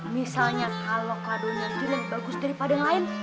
misalnya kalo kado nya jauh lebih bagus daripada yang lain